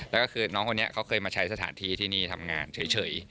แล้วก็คือน้องคนนี้เขาเคยมาใช้สถานที่ที่นี่ทำงานเฉย